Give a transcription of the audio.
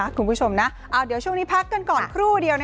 คุณผู้ชมนะเอาเดี๋ยวช่วงนี้พักกันก่อนครู่เดียว